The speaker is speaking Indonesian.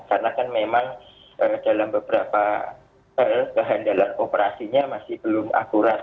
karena kan memang dalam beberapa kehandalan operasinya masih belum akurat